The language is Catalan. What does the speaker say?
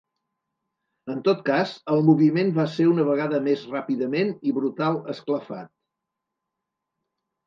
En tot cas, el moviment va ser una vegada més ràpidament i brutal esclafat.